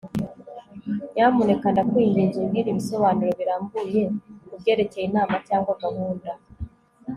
nyamuneka ndakwinginze umbwire ibisobanuro birambuye kubyerekeye inama cyangwa gahunda